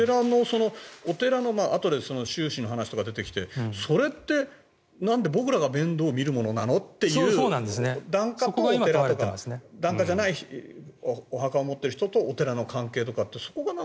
お寺のあとで収支の話とか出てきてそれって僕らが面倒見るものなの？っていう檀家とお寺とか檀家じゃないお墓を持っている人とお寺の関係とかってそこが。